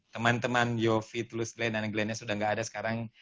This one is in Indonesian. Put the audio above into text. teman teman yofie tulus glenn anak glennnya sudah gak ada sekarang